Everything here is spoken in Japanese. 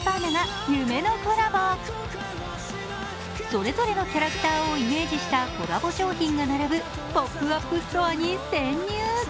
それぞれのキャラクターをイメージしたコラボ商品が並ぶポップアップストアに潜入。